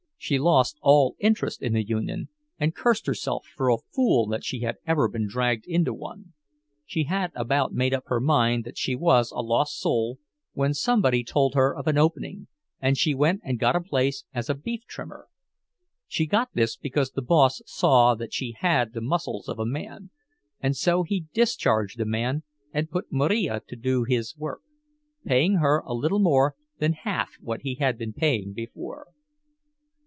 She lost all interest in the union, and cursed herself for a fool that she had ever been dragged into one. She had about made up her mind that she was a lost soul, when somebody told her of an opening, and she went and got a place as a "beef trimmer." She got this because the boss saw that she had the muscles of a man, and so he discharged a man and put Marija to do his work, paying her a little more than half what he had been paying before.